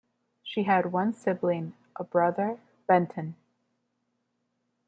She had one sibling, a brother, Benton.